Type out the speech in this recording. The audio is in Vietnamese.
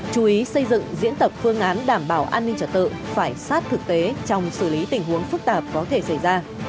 chú ý xây dựng diễn tập phương án đảm bảo an ninh trật tự phải sát thực tế trong xử lý tình huống phức tạp có thể xảy ra